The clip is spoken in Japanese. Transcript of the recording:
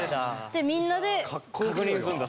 でみんなで確認するんだ。